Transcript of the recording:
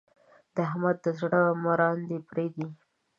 د احمد د زړه مراندې پرې دي.